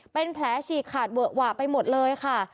เป็นแผลฉีกขาดเวอะหวะไปหมดเลยค่ะ